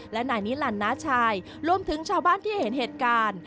และนายนิลันน้าชายรวมถึงชาวบ้านที่เห็นเหตุการณ์